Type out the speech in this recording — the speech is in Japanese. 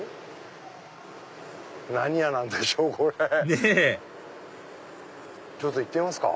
ねぇちょっと行ってみますか。